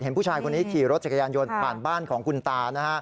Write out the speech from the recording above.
เห็นผู้ชายคนนี้ขี่รถจักรยานโยนผ่านบ้านของคุณตา